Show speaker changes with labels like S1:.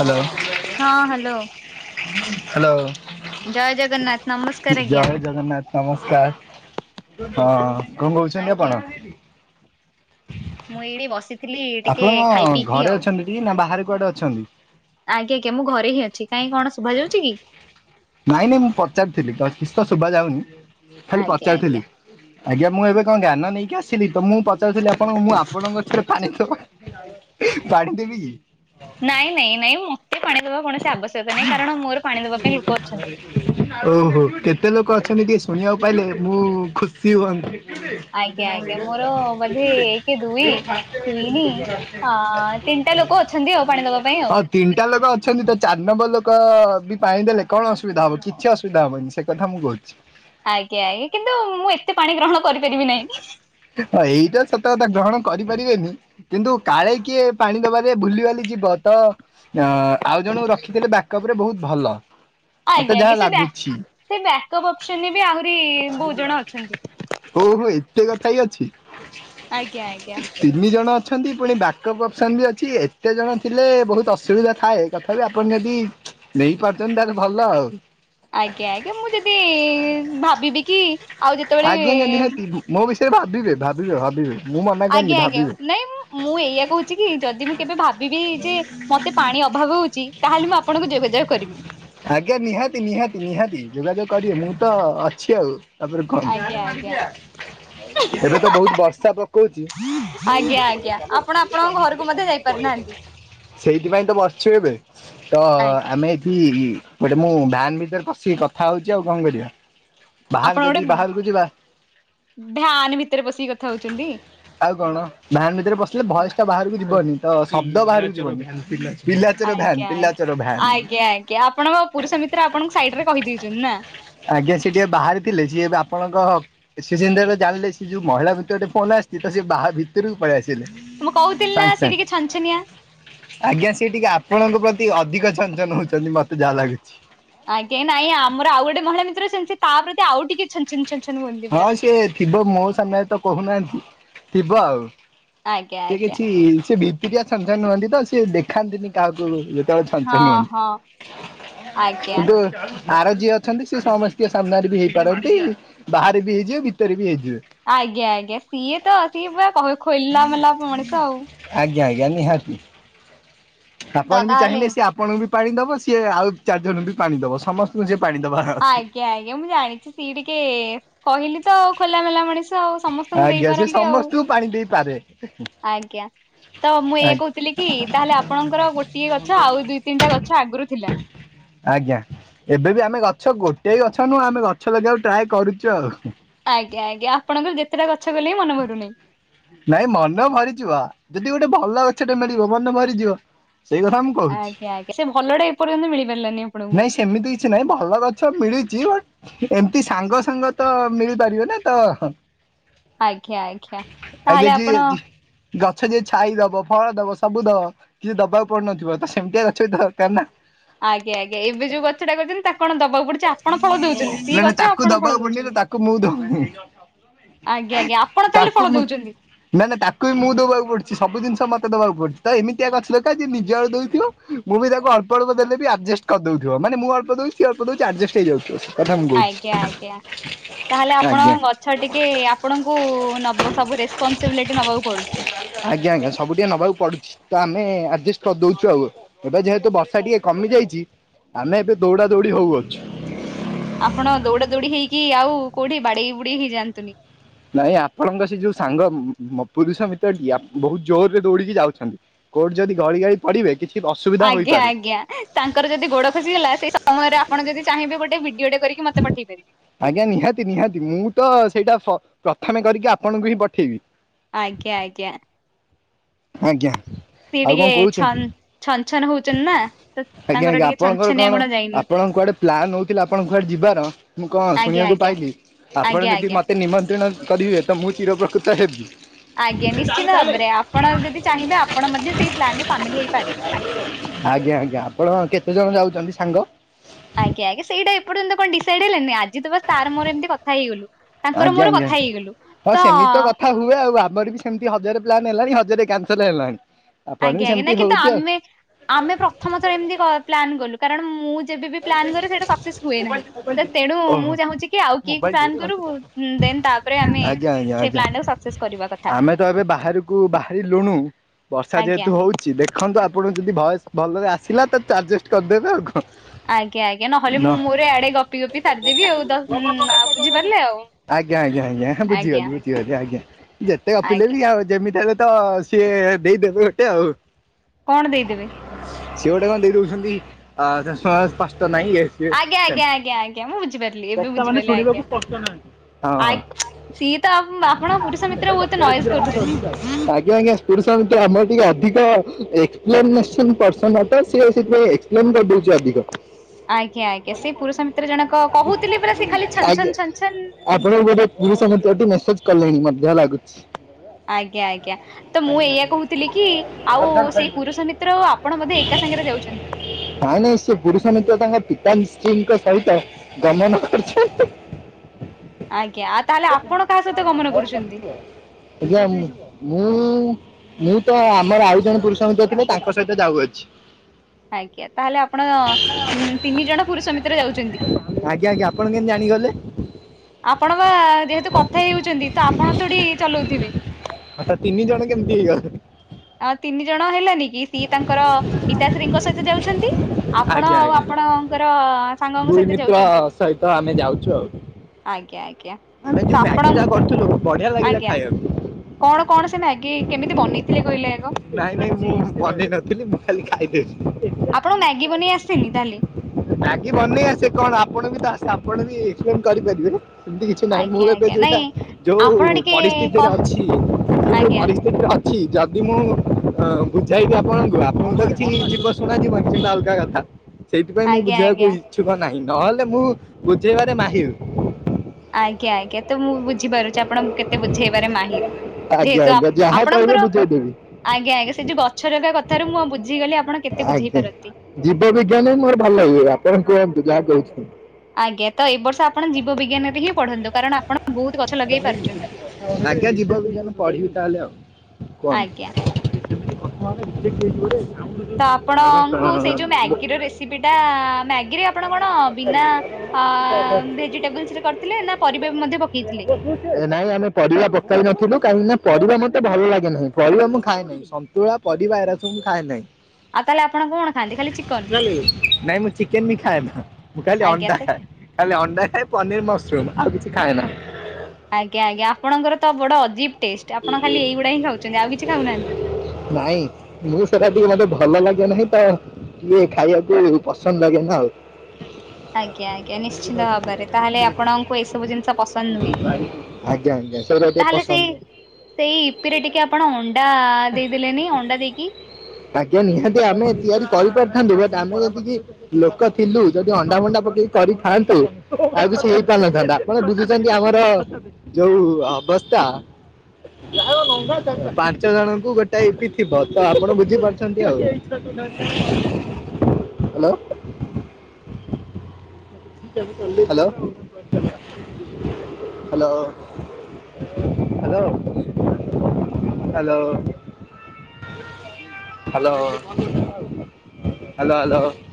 S1: Hello
S2: ହଁ hello
S1: hello
S2: ଜୟ ଜଗନ୍ନାଥ ନମସ୍କାର ଆଜ୍ଞା।
S1: ଜୟ ଜଗନ୍ନାଥ ନମସ୍କାର ହଁ କଣ କହୁଛନ୍ତି
S2: ଆଜ୍ଞା
S1: ଆପଣ?
S2: ମୁଁ ଏଇଠି ବସିଥିଲି ଟିକେ ଖାଇ ପିଇକି ଆଉ।
S1: ଏଇ ନା ବାହାରେ କୁଆଡ଼େ ଅଛନ୍ତି?
S2: ଆଜ୍ଞା ଆଜ୍ଞା ମୁଁ ଘରେ ହିଁ ଅଛି। କାହିଁ କଣ ଶୁାଭାଯାଉଛି କି?
S1: ନାଇଁ ନାଇଁ ମୁଁ ପଚାରୁଥିଲି ତ କିଛି ତ ଶୁଭା ଯାଉନି ଖାଲି
S2: ଆଜ୍ଞା
S1: ପଚାରୁଥିଲି।
S2: ଆଜ୍ଞା।
S1: ଆଜ୍ଞା ମୁଁ ଏବେ କଣ ଗ୍ୟାନ ନେଇକି ଆସିଲି ତ ମୁଁ ପଚାରୁଥିଲି ଆପଣ ମୁଁ ଆପଣଙ୍କ ଗଛରେ ପାଣି ଦବା ପାଣି ଦେବି କି?
S2: ନାଇଁ ନାଇଁ ନାଇଁ ମତେ ପାଣି ଦବା କୌଣସି ଆବଶ୍ୟକତା ନାହିଁ କାରଣ ମୋର ପାଣି ଦବା ପାଇଁ ଲୋକ ଅଛନ୍ତି।
S1: ଓହୋ କେତେ ଲୋକ ଅଛନ୍ତି ଟିକେ ଶୁଣିବାକୁ ପାଇଲେ ମୁଁ ଖୁସି ହୁଅନ୍ତି। [inaudible]
S2: ଆଜ୍ଞା ଆଜ୍ଞା ମୋର ବୋଧେ ଏକ ଦୁଇ ତିନି ହଁ ତିନିଟା ଲୋକ ଅଛନ୍ତି ଆଉ ପାଣି ଦବା ପାଇଁ ଆଉ।
S1: ହଉ ତିନିଟା ଲୋକ ଅଛନ୍ତି ତ ଚାରି ନମ୍ବର ଲୋକ ବି ପାଣି ଦେଲେ କଣ ଅସୁବିଧା ହବ। କିଛି ଅସୁବିଧା ହବନି ସେ କଥା ମୁଁ କହୁଛି।
S2: ଆଜ୍ଞା ଆଜ୍ଞା କିନ୍ତୁ ମୁଁ ଏତେ ପାଣି ଗ୍ରହଣ କରିପାରିବି ନାହିଁ।
S1: ହଁ ଏଇଟା ସତ କଥା ଗ୍ରହଣ କରିପାରିବେନି। କିନ୍ତୁ କାଳେ କିଏ ପାଣି ଦବାରେ ଭୁଲିିଭାଲି ଯିବ ତ ଅ ଆଉ ଜଣକୁ ରଖିଦେଲେ ବ୍ୟାକଅପରେ ବହୁତ ଭଲ। ମତେ
S2: ଆଜ୍ଞା
S1: ଯାହା
S2: ଆଜ୍ଞା ସେ
S1: ଲାଗୁଛି।
S2: ବ୍ୟାକ ବ୍ୟାକଅପ ଅପସନରେ ବି ଆହୁରି ବହୁତ ଜଣ ଅଛନ୍ତି।
S1: ଓହୋ ଏତେ କଥା ହିଁ ଅଛି।
S2: ଆଜ୍ଞା ଆଜ୍ଞା।
S1: ତିନି ଜଣ ଅଛନ୍ତି ପୁଣି ବ୍ୟାକଅପ୍ ଅପସନ ବି ଅଛି ଏତେ ଜଣ ଥିଲେ ବହୁତ ଅସୁବିଧା ଥାଏ। ତଥାପି ଆପଣ ଯଦି ନେଇପାରୁଛନ୍ତି ତାହେଲେ ଭଲ ଆଉ।
S2: ଆଜ୍ଞା ଆଜ୍ଞା ମୁଁ ଯଦି ଭାବିବି କି ଆଉ ଯେତେବେଳେ
S1: ଆଜ୍ଞା ଆଜ୍ଞା
S2: ଏ
S1: ନିହାତି ମୋ ବିଷୟରେ ଭାବିବେ ଭାବିବେ ଭାବିବେ ମୁଁ ମନା କରିନି
S2: ଆଜ୍ଞା ଆଜ୍ଞା
S1: ଭାବିବେ।
S2: ନାଇଁ ମୁଁ ଏଇଆ କହୁଛି କି ଯଦି ମୁଁ କେବେ ଭାବିବି ଯେ ମତେ ପାଣି ଅଭାବ ହଉଛି ତାହେଲେ ମୁଁ ଆପଣଙ୍କୁ ଯୋଗାଯୋଗ କରିବି।
S1: ଆଜ୍ଞା ନିହାତି ନିହାତି ନିହାତି ଯୋଗାଯୋଗ କରିବେ ମୁଁ ତ ଅଛି ଆଉ। ତାପରେ କଣ
S2: ଆଜ୍ଞା ଆଜ୍ଞା
S1: ଏବେ ତ ବହୁତ ବର୍ଷା ପକଉଛି।
S2: ମୁଁ ମଧ୍ୟ ଯାଇ ପାରୁନାହାନ୍ତି।
S1: ସେଇଥିପାଇଁ ତ ବସିଛୁ ଏବେ ତ
S2: ଆଜ୍ଞା
S1: ଆମେ ହୁଁ ହୁଁ ଗୋଟେ ମୁଁ ଭ୍ୟାନ୍ ଭିତରେ ପସିକି କଥା ହଉଛି ଆଉ କଣ କରିବା। ବାହାରେ
S2: ଆପଣ
S1: ଯଦି
S2: ଗୋଟେ
S1: ବାହାରକୁ ଯିବା
S2: ଭ୍ୟାନ୍ ଭିତରେ ପସିକି କଥା ହଉଛନ୍ତି।
S1: ଆଉ କଣ ଭ୍ୟାନ୍ ଭିତରେ ପସିଲେ ଭଏସ ଟା ବାହାରକୁ ଯିବନି ତ ଶବ୍ଦ ବାହାରକୁ ଯିବନି। ପିଲାଚୋର ଭ୍ୟାନ୍ ପିଲାଚୋର ଭ୍ୟାନ୍।
S2: କି ଆପଣଙ୍କ ପୁରୁଷ ମିତ୍ର ଆପଣଙ୍କୁ ସାଇଡ ରେ କହିଦେଇଛନ୍ତି ନା।
S1: ଆଜ୍ଞା ସି ଟିକେ ବାହାରିଥିଲେ ସିଏ ଆପଣଙ୍କ ସେ ଯେମିତି ଜାଣିଲେ ସେ ଯୋଉ ମହିଳା ମିତ୍ର ଙ୍କର ଫୋନ ଆସିଛି ତ ସେ ବାହା ଭିତରକୁ ପଲେଇଆସିଲେ।
S2: ମୁଁ
S1: ଥିଲେ
S2: କହୁଥିଲି ନା
S1: ସାଙ୍ଗ
S2: ସେ ଟିକେ ଛନଛନିଆ
S1: ସାଙ୍ଗ। ଆଜ୍ଞା ସେ ଟିକେ ଆପଣଙ୍କ ପ୍ରତି ଅଧିକ ଛନ୍ ଛନ୍ ହଉଛନ୍ତି ମତେ ଯାହା ଲାଗୁଛି।
S2: ଆଜ୍ଞା ନାଇଁ ଆମର ଆଉ ଗୋଟେ ମହିଳା ମିତ୍ର ସେମିତି ତା ପ୍ରତି ଆଉ ଟିକେ ଛନ୍ ଛନ୍ ଛନ୍।
S1: ହଁ ସିଏ ଥିବ ମୋ ସାମ୍ନାରେ ତ କହୁନାହାନ୍ତି ଥିବ ଆଉ।
S2: ଆଜ୍ଞା
S1: ସେ
S2: ଆଜ୍ଞା
S1: କିଛି ସେ ଭିତରିଆ ଛନ୍ ଛନ୍ ହୁଅନ୍ତି ତ ସେ ଦେଖାନ୍ତିନି କାହାକୁ ଉଁ କି ଛନ୍
S2: ହଁ
S1: ଛନ୍ ହୁଅନ୍ତି
S2: ହଁ ଆଜ୍ଞା
S1: କିନ୍ତୁ। ଆର ଯିଏ ଅଛନ୍ତି ସି ସମସ୍ତ ଙ୍କ ସାମ୍ନାରେ ବି ହେଇପାରନ୍ତି ବାହାରେ ବି ହେଇଯିବେ ଭିତରେ ବି ହେଇଯିବେ।
S2: ଆଜ୍ଞା ଆଜ୍ଞା ସିଏ ତ ସିଏ ପୁରା କହ ଖୋଲା ମେଲା ମଣିଷ ଆଉ।
S1: ଆଜ୍ଞା ଆଜ୍ଞା ନିହାତି ଆପଣ
S2: ତ
S1: ବି
S2: ତାହେଲେ
S1: ଚାହିଁଲେ ସେ ଆପ ଆପଣଙ୍କୁ ବି ପାଣି ଦେବ ସିଏ ଆଉ ଚାରିଜଣଙ୍କୁ ବି ପାଣି ଦେବ ସମସ୍ତ ତୁ କୁ ପାଣି ଦବା। [unintelligible]
S2: ଆଜ୍ଞା ଆଜ୍ଞା ମୁଁ ଜାଣିଛି ସିଏ ଟିକେ କହିଲି ତ ଖୋଲାମେଲା ମଣିଷ। ମଣିଷ ଆଉ ସମସ୍ତଙ୍କୁ
S1: ଆଜ୍ଞା ସେ
S2: ଦେଇପାରନ୍ତି ଆଉ।
S1: ସମସ୍ତଙ୍କୁ ପାଣି ଦେଇପାରେ
S2: ଆଜ୍ଞା ତ ମୁଁ ଇଆ କହୁଥିଲି କି ତାହେଲେ ଆପଣଙ୍କର ଗୋଟିଏ ଗଛ ଆଉ ଦୁଇ ତିନିଟା ଗଛ ଆଗରୁ ଥିଲା।
S1: ଆଜ୍ଞା ଏବେ ବି ଆମେ ଗଛ ଗୋଟଏ ଗଛ ନୁହଁ ଆମେ ଗଛ ଲଗେଇବାକୁ ଟ୍ରାଏ କରୁଛୁ ଆଉ।
S2: ଆଜ୍ଞା ଆଜ୍ଞା ଆପଣଙ୍କ ଯେତେଟା ଗଛ କଲେ ମନ ଭରୁନି।
S1: ନାଇଁ ମନ ଭରିଯିବ ଯଦି ଗୋଟେ ଭଲ ଗଛ ଟା ମିଳିବ ମନେ ଭରିଯିବ ସେଇ କଥା ମୁଁ କହୁଛି
S2: ଆଜ୍ଞା ଆଜ୍ଞା ସେ ଭଲ ଟା ଏପର୍ଯ୍ୟନ୍ତ ମିଳିପାରିଲାନି ଆପଣଙ୍କୁ।
S1: ନାଇଁ ସେମିତି କିଛି ନାହିଁ ଭଲ ଗଛ ମିଳିଛି ବଟ୍ ଏମିତି ସାଙ୍ଗ ସାଙ୍ଗ ତ ମିଳିପାରିବ ନା ତ
S2: ଆଜ୍ଞା ଆଜ୍ଞା।
S1: ଆଜ୍ଞା
S2: ତାହେଲେ ଆପଣ
S1: ଯିଏ ଗଛ ଯିଏ ଛାଇ ଦବ ଫଳ ଦବ ସବୁ ଦବ କିଛି ଦବାକୁ ପଡୁନଥିବ ତ ସେମିତିଆ ଗଛ ବି ତ ଦରକାର୍ ନା।
S2: ଆଜ୍ଞା ଆଜ୍ଞା ଏବେ ଯୋଉ ଗଛଟା କରିଛନ୍ତି ତାକୁ କଣ ଦବାକୁପଡୁଛି ଆପଣ ଫଳ ଦଉଛନ୍ତି ସିଏ ଗଛ ଆପଣ ଫଳ ଦଉଛନ୍ତି।
S1: ପୁଣିଲୁ ତାକୁ ମୁଁ ଦଉନି।
S2: [inaudible]
S1: [inaudible]
S2: ଦଉଛନ୍ତି
S1: ନାଇଁ ନାଇଁ ତାକୁ ବି ମୁଁ ଦବା କୁ ପଡୁ, ସବୁ ଜିନ୍‌ଷ ମତେ ଦବା କୁ ପଡୁ----------------ନିଜ ଆଡୁ ଦେଉଥିବ। ମୁଁ ବି ତାକୁ ଅଳ୍ପ ଅଳ୍ପ ଦେଲେ ବି ଆ---ଷ୍ଟ୍ କର୍ ଦଉଥିବ, ମାନେ ମୁଁ ଅଳ୍ପ ଦଉଚି ସେ ଅଳ୍ପ ଦଉଚି ଆ--ଷ୍ଟ୍ ହେଇ ଯାଉ।
S2: ଆଜ୍ଞା ଆଜ୍ଞା, ତା'ହେଲେ ଆପଣ
S1: ଆଜ୍ଞା।
S2: ଗ ଟିକେ ଆପଣଙ୍କୁ---ସବୁ ରେସ୍‌ପନ୍ସବିଲିଟି ନବାକୁ ପଡୁଚି।
S1: ଆଜ୍ଞା ଆଜ୍ଞା, ସବୁ ଟିକେ ନବାକୁ ପଡୁଚି ତ ଆମେ ଆ---ଷ୍ଟ୍ କର୍ ଦଉଚୁ ଆଉ। ଏବେ ଯେହେତୁ ବର୍ଷା ଟିକେ କମି ଯାଇଚି, ଆମେ ଏବେ ଦୌଡ଼ା ଦୌଡ଼ି
S2: ଆପଣ ଦୌଡ଼ା ଦୌଡ଼ି ହେଇକି, ଆଉ କଉଠି ବାଡ଼େଇ ବୁଡ଼େଇ ହେଇ ଯାଆନ୍ତୁନି।
S1: ନାହିଁ, ଆପଣଙ୍କ ସେ ଯଉ ସାଙ୍ଗ ପୁରୁଷ ମିତ୍ର ବହୁତ୍ ଜୋର୍ ରେ ଦୌଡ଼ିକି ଯାଉଛନ୍ତି। କଉଠି ଯଦି ଗଳି ଗାଳି ପଡ଼ିବେ, କିଛି ଅସୁବିଧା
S2: ଆଜ୍ଞା
S1: ହୋଇପାରେ।
S2: ଆଜ୍ଞା ତାଙ୍କର ଯଦି ଗୋଡ଼ ଖସିଗଲା, ସେଇ ସମୟରେ ଆପଣ ଯଦି ଚାହିଁବେ ଗୋଟେ ଭିଡ଼ିଓଟେ କରିକି ମତେ ପଠେଇ ପାରିବେ।
S1: ଆଜ୍ଞା ନିହାତି ନିହାତି, ମୁଁ ତ ସେଇଟା ପ୍ରଥମେ କରିକି ଆପଣଙ୍କୁ ହିଁ ପଠେଇବି।
S2: [inaudible]
S1: ଆଜ୍ଞା,
S2: ସିଏ
S1: ଆଉ
S2: ଟିକେ ଛନ୍
S1: କ--ଚନ୍ତି?
S2: ଛନ ଛନ ହଉଛନ୍ତି ନା ତ
S1: ଆଜ୍ଞା
S2: ତାଙ୍କର
S1: ଆଜ୍ଞା,
S2: ଟିକେ
S1: ଆପଣଙ୍କର
S2: ଛନଛନିଆ
S1: କ'ଣ
S2: ଗୁଣ ଯାଇନି
S1: ଆପଣ କୁଆଡ଼େ ପ୍ଲାନ୍‌ ହଉଥିଲା ଆପଣ କୁଆଡ଼େ ଯିବାର? ମୁଁ
S2: ଆଜ୍ଞା
S1: ଶୁଣିବାକୁ
S2: ଆଜ୍ଞା
S1: ପାଇଲି, ଆପଣ
S2: ଆଜ୍ଞା
S1: ଯଦି
S2: ଆଜ୍ଞା।
S1: ମତେ ନିମନ୍ତ୍ରଣ କରିିବେ। ମୁଁ ଚିର ପ୍ରକୁତ ହେବି।
S2: ଆଜ୍ଞା ନିଶ୍ଚିନ୍ତ ଭାବରେ ଆପଣ ଯଦି ଚାହିଁବେ, ଆପଣ ମଧ୍ୟ ସେଇ ପ୍ଲାନ୍‌ ରେ ସାମିଲ୍ ହେଇପାରିବେ।
S1: ଆଜ୍ଞା ଆଜ୍ଞା, ଆପଣ କେତେ ଜଣ ଯାଉଚନ୍ତି ସାଙ୍ଗ?
S2: ଆଜ୍ଞା----ଇଟା ଏପ----କ'ଣ ଡିସାଇ ହେଲା, ଆଜି ତ ବାସ୍‌ ତା'ର ର ଏମ୍‌ତି କଥା ହେଇଗଲୁ। ତାଙ୍କର
S1: ଆଜ୍ଞା
S2: ମୋର
S1: ଆଜ୍ଞା
S2: କଥା ହେଇଗଲୁ
S1: ହଁ
S2: ତ।
S1: ସେମିତି କଥା ହୁଏ ଆଉ, ଆମର ବି ସେମ୍ତି ହଜାରେ ପ୍ଲାନ୍‌ ହେଲାଣି ହଜାରେ କ୍ୟାନ୍‌ସେଲ୍‌ ହେଲାଣି, ଆପଣ ବି
S2: ଆଜ୍ଞା ଆଜ୍ଞା ନାଇଁ
S1: ସେମିତି
S2: କିନ୍ତୁ
S1: ହଉଚି ଆଉ।
S2: ଆମେ ଆମେ ପ୍ରଥମ ଏମ୍ତି ପ୍ଲାନ୍ କଲୁ। କାରଣ ମୁଁ ଯେବେ ବି ପ୍ଲାନ୍ କରେ ସେଇଟା ସକ୍ସେସ୍ ହୁଏ ନାହିଁ, ତେଣୁ
S1: ଓହୋ
S2: ମୁଁ ଚାହୁଁଚି କି ଆଉ କିଏ ପ୍ଲାନ୍ କରୁ। ଦେନ୍ ତା'---ରେ ଆମେ
S1: ଆଜ୍ଞା ଆଜ୍ଞା
S2: ସେଇ
S1: ଆଜ୍ଞା।
S2: ପ୍ଲାନ୍‌ ଟାକୁ ସକ୍ସେସ୍ କରିବା କଥା।
S1: ଆମେ ଏବେ ବାହାରକୁ ବାହାରି ଲୁଣୁ ବର୍ଷା
S2: ଆଜ୍ଞା।
S1: ଯେହେତୁ ହଉ ଦେଖନ୍ତୁ ଆପଣ ଯଦି ଭଏସ୍‌ ଭଲରେ ଆସିଲା ଆ--ଜେଷ୍ଟ୍ କରିଦେବେ ଆଉ କ
S2: [inaudible] ଆଜ୍ଞା, ନହେଲେ ମୁଁ ମୋର ୟାଡ଼େ ଗପି ଗପି ସାର୍ ଦେବି ଆଉ। ବୁଝିପାରିଲେ
S1: ଆଜ୍ଞା ଆଜ୍ଞା ଆଜ୍ଞା
S2: ଆଜ୍ଞା
S1: ବୁଝିଗଲି ବୁଝି ଆଜ୍ଞା, ଯେତେ ଗପିଲେ
S2: ଆଜ୍ଞା।
S1: ବି ଆଉ ଯେମିତି ହେଲେ [inaudible]
S2: କ'ଣ ଦେଇ ଦେବେ?
S1: [inaudible]
S2: ଆଜ୍ଞା ଆଜ୍ଞା ଆଜ୍ଞା ଆଜ୍ଞା ମୁଁ ବୁଝିପାରିଲି ଏବେ ବୁଝିପାରିଲି ଆଜ୍ଞା ଆ
S1: [inaudible]
S2: ସିଏ ତ ଆପଣଙ୍କ ପୁରୁଷ ମିତ୍ର ବହୁତ ନଏଜ କରୁଛନ୍ତି
S1: [inaudible] [inaudible] [inaudible]
S2: ଆଜ୍ଞା ଆଜ୍ଞା, ସେ ପୁରୁଷ ମିତ୍ର ଜଣକ କହୁଥିଲେ ରା ସେ ଖାଲି ଛନ୍
S1: ଆଜ୍ଞା
S2: ଛନ୍ ଛନ୍‌
S1: [inaudible]
S2: ଆଜ୍ଞା ଆଜ୍ଞା। ତ ମୁଁ ଏଇଆ କହୁଥିଲି କି ଆଉ ସେଇ ପୁରୁଷ ମିତ୍ର ଆପଣ ଏକା ସାଙ୍ଗରେ ଯାଉଚନ୍ତି।
S1: [inaudible] ପୁରୁଷ ମିତ୍ର ତାଙ୍କ ପିତା ଙ୍କ ସହିତ ଗମନ କରୁ
S2: ଆଜ୍ଞା, ତାହେଲେ ଆପଣ କାହା ସହିତ ଗମନ କରୁ--ନ୍ତି?
S1: [inaudible] ମୁଁ ତ ଆମର ଆଉ ଜଣେ ପୁରୁଷ ଥିଲେ, ତାଙ୍କ ସହିତ ଯାଉ ଅଛି।
S2: ଆଜ୍ଞା, ତା'ହେଲେ ଆପଣ ତିନି ଜଣ ପୁରୁଷ ମିତ୍ର ଯାଉଚନ୍ତି।
S1: ଆଜ୍ଞା ଆଜ୍ଞା, ଆପଣ କେ ଜାଣିଗଲେ?
S2: ଆପଣ ବା ଯେହେତୁ କଥା ତ ଆପଣ ଥୋଡ଼ି ଚଲଉ ଥିବେ।
S1: ଆଚ୍ଛା ତିନି ଜଣ କେମିତି ହେଇଗ
S2: ଆ ତିନି ଜଣ ହେଲାନି କି ସିଏ ତାଙ୍କର ପିତାଶ୍ରୀଙ୍କ ସହିତ ଯାଉଛନ୍ତି। ଆପଣ
S1: ଆଜ୍ଞା
S2: ଆଉ
S1: ଆଜ୍ଞା
S2: ଆପଣଙ୍କର ସାଙ୍ଗଙ୍କ ସହିତ ଯାଉଛନ୍ତି।
S1: ହଁ ଆମେ ଯାଉଛୁ ଆଉ।
S2: ଆଜ୍ଞା ଆଜ୍ଞା
S1: ଆମେ
S2: ତ
S1: ଯୋଉ
S2: ଆପଣ
S1: ମ୍ୟାଗି ଟା କରଥିଲୁ ବଢିଆ ଲାଗିଲା
S2: ଆଜ୍ଞା
S1: ଖାଇବାକୁ।
S2: କଣ କଣ ସେ ମ୍ୟାଗି କେମିତି ବନେଇଥିଲେ କହିଲେ ଆଗ?
S1: ନାଇଁ ନାଇଁ ମୁଁ ବନେଇ ନଥିଲି ମୁଁ ଖାଲି ଖାଇଦେଉଛି।
S2: ଆପଣଙ୍କୁ ମ୍ୟାଗି ବନେଇ ଆସିନି ତାହେଲେ?
S1: ମ୍ୟାଗି ବନେଇ ଆସେ କଣ ଆପଣ ବି ତ ଆପଣ ବି ଏକ୍ସପ୍ଲେନ କରିପାରିବେନି। ନଁ ମୁଁ
S2: ଆଜ୍ଞା
S1: ଏବେ
S2: ଆଜ୍ଞା
S1: ଯୋଉଟା
S2: ନାଇଁ
S1: ଯୋଉ
S2: ଆପଣ ଟିକେ
S1: ପରିସ୍ଥିତିରେ
S2: କହ
S1: ଅଛି ସେ ଯୋଉ
S2: ଆଜ୍ଞା
S1: ପରିସ୍ଥିତିରେ ଅଛି ଯାଦି ମୁ ହଁ ବୁଝାଇବି ଆପଣଙ୍କୁ ଆପଣଙ୍କୁ ତ କିଛି ଯିବ ଶୁଣାଜିବନି ସେଟା ଅଲଗା କଥା। ସେଇଥିପାଇଁ ମୁଁ
S2: ଆଜ୍ଞା
S1: ବୁଝେଇବାକୁ
S2: ଆଜ୍ଞା
S1: ଇଚ୍ଛୁକ ନାହିଁ ନହେଲେ ମୁଁ ବୁଝେଇବାରେ ମାହିର।
S2: ଆଜ୍ଞା ଆଜ୍ଞା ତ ମୁଁ ବୁଝିପାରୁଛି ଆପଣଙ୍କୁ କେତେ ବୁଝେଇବାରେ ମାହିର
S1: ଆଜ୍ଞା
S2: ଯେହେତୁ
S1: ଆଜ୍ଞା
S2: ଆପ
S1: ଯାହା କହିବେ
S2: ଆପଣଙ୍କର
S1: ବୁଝେଇଦେବି
S2: ଆଜ୍ଞା ଆଜ୍ଞା ସେ ଯଉ ଗଛ ଲଗା କଥାରୁ ମୁଁ ଆ ବୁଝିଗଲି ଆପଣ କେତେ ବୁଝେଇ
S1: ଆଜ୍ଞା
S2: ପାରନ୍ତି।
S1: ଜୀବ ବିଜ୍ଞାନ ହିଁ ମୋର ଭଲ ଲାଗିବ ଆପଣ କୁହନ୍ତୁ ଯାହା କହୁଛନ୍ତି।
S2: ଆଜ୍ଞା ତ ଏର୍ଷ ଆପଣ ଜୀବ ବିଜ୍ଞାନରେ ହିଁ ପଢନ୍ତୁ କାରଣ ଆପଣ ବହୁତ ଗଛ ଲଗେଇ ପାରୁଛନ୍ତି।
S1: ଆଜ୍ଞା ଜିବବିଜ୍ଞାନ ପଢିବି ତାହେଲେ ଆଉ କୁହନ୍ତୁ।
S2: ଆଜ୍ଞା। ତ ଆପଣଙ୍କୁ ସେଇ
S1: [unintelligible]
S2: ଯୋଉ ମ୍ୟାଗିର ରେସିପି ଟା ମ୍ୟାଗିରେ ଆପଣ କଣ ବିନା ଭେଜିଟେବୁଲ୍ସ୍ ରେ କର ଥିଲେ ନା ପରିବା ବି ମଧ୍ୟ ପକେଇଥିଲେ?
S1: ବହୁତ ନାଇଁ ଆମେ ପରିବା ପକାଇ ନଥିଲୁ କାହିଁକି ନା ପରିବା ମତେ ଭଲ ଲାଗେ ନାହିଁ ପରିବା ମୁଁ ଖାଏ ନାହିଁ ସନ୍ତୁଳା ପରିବା ଏରାସବୁ ଖାଏ ନାହିଁ।
S2: ଆଉ ତାହେଲେ ଆପଣ କଣ ଖାଆନ୍ତି ଖାଲି ଚିକନ?
S1: ନାଇଁ ମୁଁ ଚିକେନ ବି ଖାଏ ନା ମୁଁ ଖାଲି
S2: ଆଜ୍ଞା
S1: ଅଣ୍ଡା
S2: ତ
S1: ଖାଏ। ଖାଲି ଅଣ୍ଡା ଖାଏ ପନିର ମସରୁମ ଆଉ କିଛି ଖାଏ ନା।
S2: ଆଜ୍ଞା ଆଜ୍ଞା ଆପଣଙ୍କର ତ ବଡ ଅଜୀବ ଟେଷ୍ଟ ଆପଣ ଖାଲି ଏଇଗୁଡା ହିଁ ଖାଉଛନ୍ତି ଆଉ କିଛି ଖାଉନାହାନ୍ତି।
S1: ନାଇଁ ମୁଁ ସେଟା ଟିକେ ମତେ ଭଲ ଲାଗେ ନାହିଁ ତ ଇଏ ଖାଇବାକୁ ପସନ୍ଦ ଲାଗେ ନା ଆଉ।
S2: ଆଜ୍ଞା ଆଜ୍ଞା ନିଶ୍ଚିିତ ଭାବରେ ତାହେଲେ ଆପଣଙ୍କୁ ଏସବୁ ଜିନିଷ ପସନ୍ଦ ନୁହେଁ।
S1: ଆଜ୍ଞା ଆଜ୍ଞା ସେଇଟା ଟିକେ
S2: ତାହେଲେ ସେଇ
S1: ପସନ୍ଦ ନୁହେଁ।
S2: ସେଇ ଇପି ରେ ଟିକେ ଆପଣ ଅଣ୍ଡା ଦେଇଦେଲେନି ଅଣ୍ଡା ଦେଇକି
S1: ଆଜ୍ଞା ନିହାତି ଆମେ ତିଆରି କରିପାରଥାନ୍ତୁ ବଟ ଆମ ଯେତିକି ଲୋକ ଥିଲୁ ଯଦି ଅଣ୍ଡା ଭଣ୍ଡା ପକେଇକି କରିଥାନ୍ତୁ ଆଉ କିଛି ହେଇ ପାରିନଥାନ୍ତା। ଆପଣ ବୁଝୁଛନ୍ତି ଆମର ଯୋଉ ଅବସ୍ଥା [unintelligible] ପାଞ୍ଚ ଜଣଙ୍କୁ ଗୋଟାଏ ଇପି ଥିବ ତ ଆପଣ ବୁଝିପାରୁଛନ୍ତି ଆଉ hello hello hello hello hello hello hello hello